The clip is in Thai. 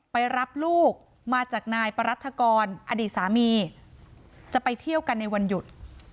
ไปรับลูกมาจากนายปรัฐกรอดีตสามีจะไปเที่ยวกันในวันหยุด